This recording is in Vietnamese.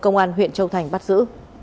công an huyện châu thành bắt giữ